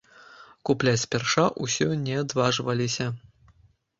Купляць спярша ўсё не адважваліся.